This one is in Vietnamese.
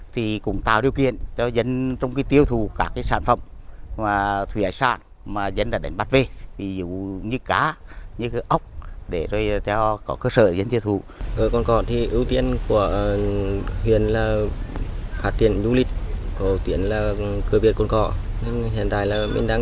thì theo tôi thì thấy hôm nay càng ngày đi đảo càng phát triển